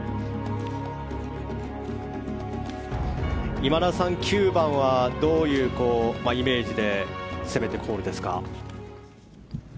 今田さん、９番はどういうイメージで攻めていくホールですか？